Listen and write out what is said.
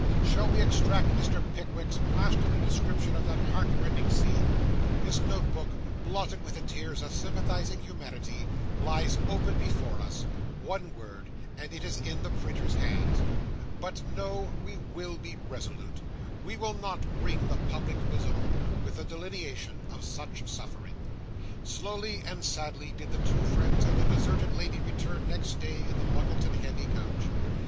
Shall we extract Mr. Pickwick's masterly description of that heartrending scene? His note book, blotted with the tears of sympathising humanity, lies open before us; one word, and it is in the printer's hands. But, no! we will be resolute! We will not wring the public bosom, with the delineation of such suffering! Slowly and sadly did the two friends and the deserted lady return next day in the Muggleton heavy coach.